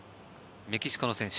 メキシコの選手。